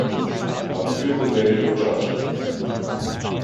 Until the Day of Judgment.